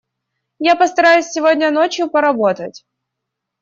Я постараюсь сегодня ночью поработать.